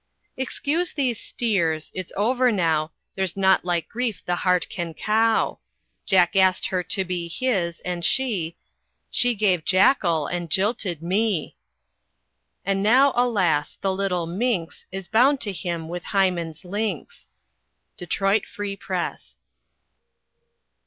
Excuse these steers.... It's over now; There's naught like grief the hart can cow. Jackass'd her to be his, and she She gave Jackal, and jilted me. And now, alas! the little minks Is bound to him with Hymen's lynx. _Detroit Free Press.